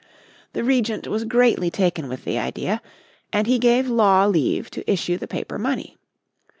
The Regent was greatly taken with the idea, and he gave Law leave to issue the paper money.